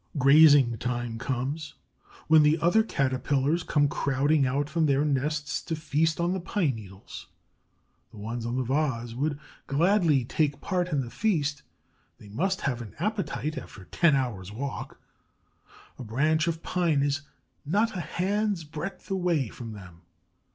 Grazing time comes, when the other Caterpillars come crowding out from their nests to feast on the pine needles. The ones on the vase would gladly take part in the feast; they must have an appetite after a ten hours' walk. A branch of pine is not a hand's breadth away from them.